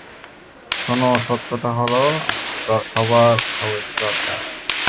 শোনো, সত্যটা হলো আমাদের সবার সবাইকে দরকার।